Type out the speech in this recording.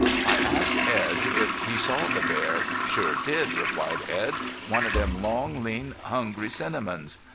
I asked Edd if he saw the bear. "Sure did," replied Edd. "One of them long, lean, hungry cinnamons."